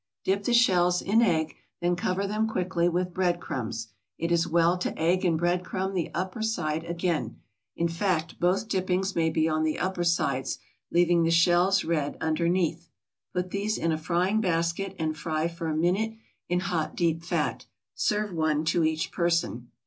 Dip the shells in egg, then cover them thickly with bread crumbs. It is well to egg and bread crumb the upper side again; in fact both dippings may be on the upper sides, leaving the shells red underneath. Put these in a frying basket and fry for a minute in hot, deep fat. Serve one to each person.